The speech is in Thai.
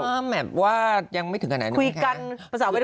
ก็แมฟว่ายังไม่ถึงใครนะคุณครับ